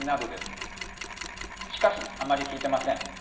しかしあまり効いてません。